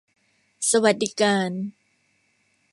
สวัสดิการ